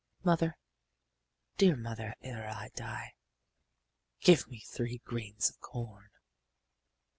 Mother, dear mother, ere I die, Give me three grains of corn!